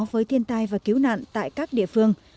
với thiên tai và cứu nạn tại các địa phương